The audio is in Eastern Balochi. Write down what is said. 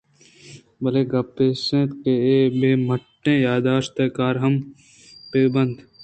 بلئے گپ ایش اِنت کہ اے بے مٹّیں یاداشت ءَ کار ہم بہ بند